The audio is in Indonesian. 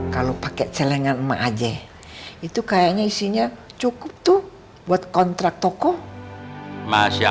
kalau pakai celengan emak aja itu kayaknya isinya cukup tuh buat kontrak toko